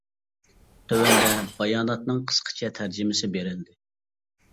تۆۋەندە باياناتنىڭ قىسقىچە تەرجىمىسى بېرىلدى.